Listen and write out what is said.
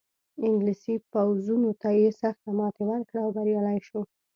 انګلیسي پوځونو ته یې سخته ماتې ورکړه او بریالی شو.